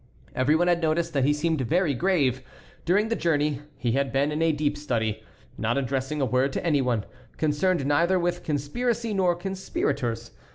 Every one had noticed that he seemed very grave. During the journey he had been in a deep study, not addressing a word to any one, concerned neither with conspiracy nor conspirators.